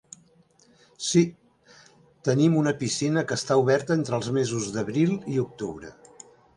Sí, tenim una piscina que està oberta entre els mesos d'abril i octubre.